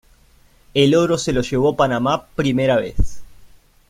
El oro se lo llevó Panamá primera vez.